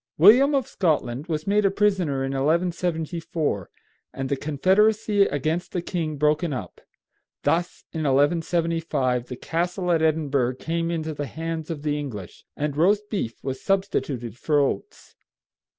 William of Scotland was made a prisoner in 1174, and the confederacy against the king broken up. Thus, in 1175, the castle at Edinburgh came into the hands of the English, and roast beef was substituted for oats.